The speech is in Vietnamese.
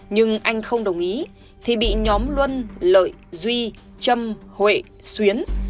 nhưng anh không đồng ý thì bị nhóm luân lợi duy trâm huệ xuyến